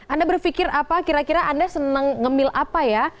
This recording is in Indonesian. anda berpikir apa kira kira anda senang ngemil apa ya